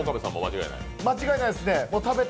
間違いないですね、食べた